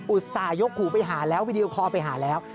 อุตส่าหยกหูไปหาแล้ววิดีโอคอลไปหาแล้ว